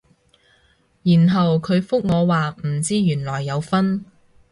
然後佢覆我話唔知原來有分